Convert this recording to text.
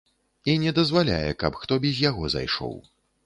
І не дазваляе, каб хто без яго зайшоў.